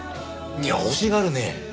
いや欲しがるね。